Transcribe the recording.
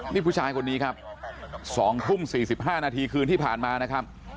นี่ผู้ชายคนนี้ครับ๒ทุ่ม๔๕นาทีคืนที่ผ่านมานะครับ